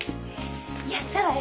やったわよ！